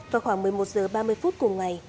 vào khoảng một mươi một h ba mươi phút cùng ngày